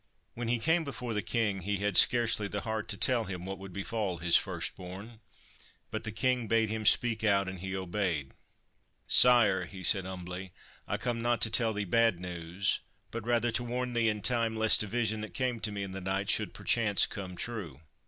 When he came before the King, he had scarcely the heart to THE FIRE BIRD tell him what would befall his first born ; but the King bade him speak out, and he obeyed. ' Sire,' he said humbly, ' I come not to tell thee bad news, but rather to warn thee in time, lest a vision that came to me in the night should perchance come true.'